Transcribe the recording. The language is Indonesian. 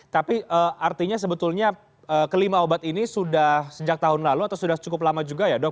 tapi artinya sebetulnya kelima obat ini sudah sejak tahun lalu atau sudah cukup lama juga ya dok